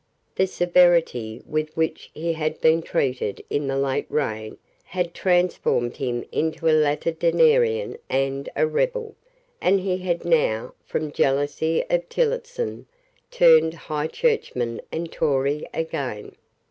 The severity with which he had been treated in the late reign had transformed him into a Latitudinarian and a rebel; and he had now, from jealousy of Tillotson, turned High Churchman and Tory again.